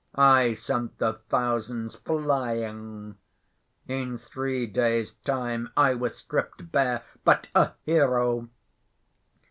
I sent the thousands flying. In three days' time I was stripped bare, but a hero.